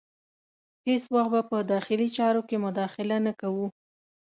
هیڅ وخت به په داخلي چارو کې مداخله نه کوو.